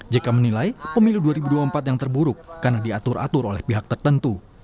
jk menilai pemilu dua ribu dua puluh empat yang terburuk karena diatur atur oleh pihak tertentu